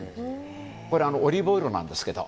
オリーブオイルなんですけど。